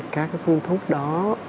các cái phương thuốc đó